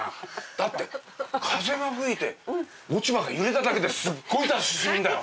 だって風が吹いて落ち葉が揺れただけですっごいダッシュするんだよ。